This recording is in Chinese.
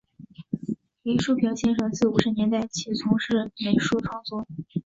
李叔平先生自五十年代起从事美术创作。